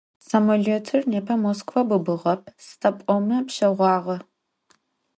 Samolötır nêpe Moskva bıbığep, sıda p'ome pşeğuağe.